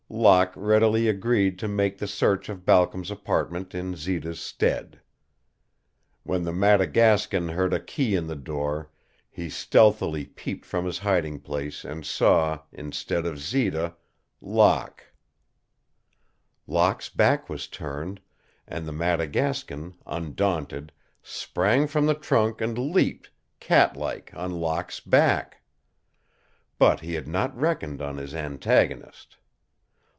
Locke readily agreed to make the search of Balcom's apartment in Zita's stead. When the Madagascan heard a key in the door he stealthily peeped from his hiding place and saw, instead of Zita, Locke. Locke's back was turned, and the Madagascan, undaunted, sprang from the trunk and leaped, catlike, on Locke's back. But he had not reckoned on his antagonist.